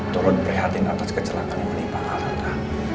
turut berhati hati atas kecelakaan yang menimpa al tante